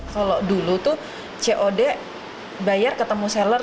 kalau dulu tuh cod bayar ketemu seller